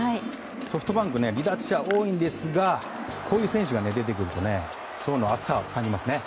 ソフトバンク離脱者多いんですがこういう選手が出てくると層の厚さを感じますね。